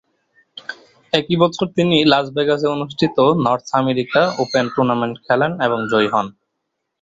একই বছর তিনি লাস ভেগাসে অনুষ্ঠিত "নর্থ আমেরিকা ওপেন" টুর্নামেন্ট খেলেন এবং জয়ী হন।